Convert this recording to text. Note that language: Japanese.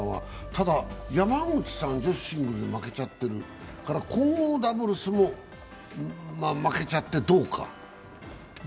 ただ、山口さん、女子シングルで負けちゃってる混合ダブルスも負けちゃって、銅か。